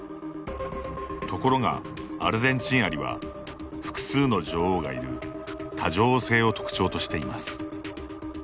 ところが、アルゼンチンアリは複数の女王がいる多女王性を特徴としています。